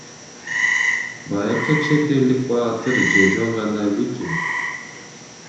Байыркы чет элдик баатыр же жөн гана викинг.